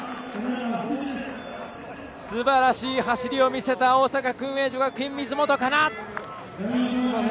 すばらしい走りを見せた大阪薫英女学院、水本佳菜。